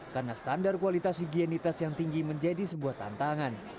karena standar kualitas higienitas yang tinggi menjadi sebuah tantangan